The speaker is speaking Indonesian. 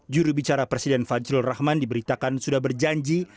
jurubicara presiden fajrul rahman diberitakan sudah berjanji